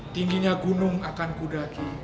tingginya gunung akan kudaki